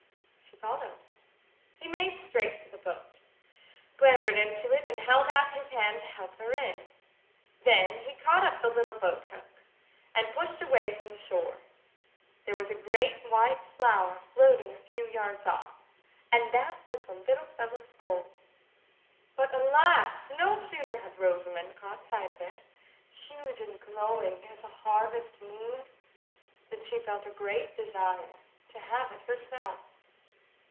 She followed. He made straight for the boat, clambered into it, and held out his hand to help her in. Then he caught up the little boat hook, and pushed away from the shore: there was a great white flower floating a few yards off, and that was the little fellow's goal. But, alas! no sooner had Rosamond caught sight of it, huge and glowing as a harvest moon, than she felt a great desire to have it herself.